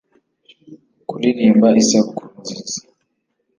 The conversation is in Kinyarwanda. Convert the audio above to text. kuririmba isabukuru nziza